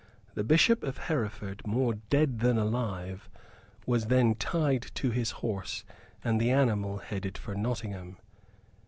The Bishop of Hereford, more dead than alive, was then tied to his horse and the animal headed for Nottingham.